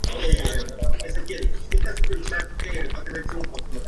Su hermana Teresa fue más conocida por sus amantes que por su baile.